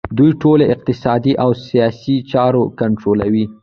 دوی ټولې اقتصادي او سیاسي چارې کنټرولوي